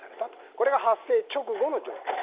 これが発生直後の状況